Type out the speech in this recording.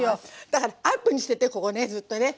だからアップにしててここねずっとね。